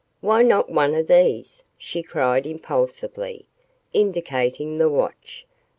"Why not one of these?" she cried impulsively, indicating the watch.